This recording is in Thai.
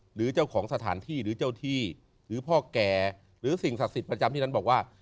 หรือเจ้าของสถานที่หรือเจ้าที่หรือพ่อแก่หรือสิ่งศักดิ์สิทธิ์ประจำที่นั้นบอกว่า